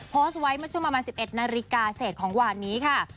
โพสต์ไว้เมื่อช่วงประมาณ๑๑นาฬิกาเศษของหวานนี้ค่ะ